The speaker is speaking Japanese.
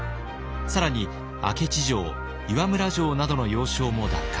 更に明知城岩村城などの要衝も奪還。